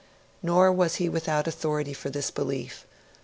Nor was he without authority for this belief.